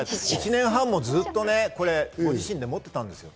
１年半もずっとご自身で持ってたんですよ。